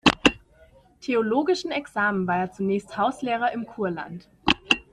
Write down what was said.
Theologischen Examen war er zunächst Hauslehrer im Kurland.